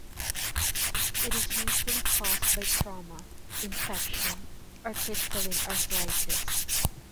It is usually caused by trauma, infection, or crystalline arthritis.